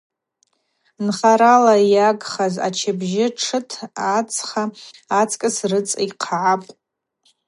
Нхарала йгӏагхаз ачыбджьи тшыт ацха ацкӏыс рыцӏа йхъгӏапӏ.